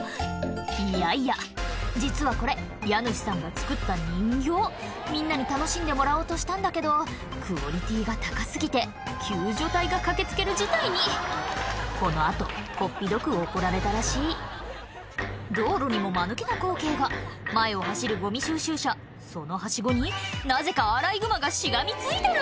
いやいや実はこれ家主さんが作った人形みんなに楽しんでもらおうとしたんだけどクオリティーが高過ぎて救助隊が駆け付ける事態にこの後こっぴどく怒られたらしい道路にもマヌケな光景が前を走るゴミ収集車そのはしごになぜかアライグマがしがみついてる！